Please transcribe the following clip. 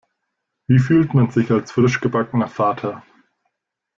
Wie fühlt man sich als frisch gebackener Vater?